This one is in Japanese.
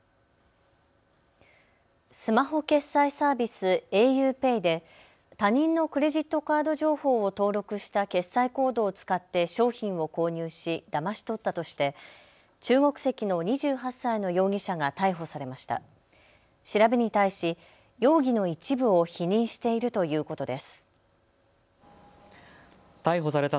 スマホ決済サービス、ａｕＰＡＹで他人のクレジットカード情報を登録した決済コードを使って商品を購入し、だまし取ったとして中国籍の２８歳の容疑者が逮捕されました。